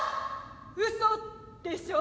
「うそでしょ」。